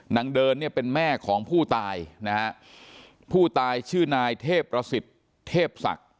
นางเดินเนี่ยเป็นแม่ของผู้ตายนะฮะผู้ตายชื่อนายเทพประสิทธิ์เทพศักดิ์